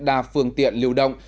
đa phương tiện liều động